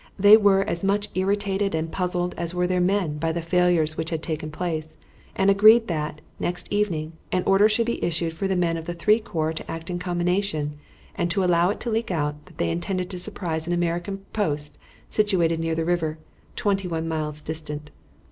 They were as much irritated and puzzled as were their men by the failures which had taken place, and agreed that, next evening, an order should be issued for the men of the three corps to act in combination, and to allow it to leak out that they intended to surprise an American post situated near the river, twenty one miles distant.